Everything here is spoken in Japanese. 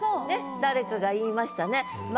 ねっ誰かが言いましたね。